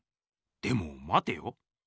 でもまてよ。